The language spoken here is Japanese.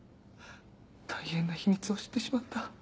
大変な秘密を知ってしまった。